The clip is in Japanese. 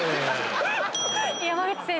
山口先生。